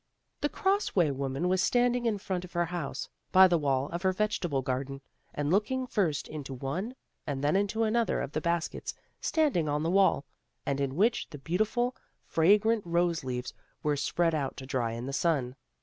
The Cross way woman was standing in front of her house, by the wall of her vegetable garden, and looking first into one and then into another of the baskets standing on the wall, and in which the beautiful, fragrant rose leaves were spread out to dry in the sun.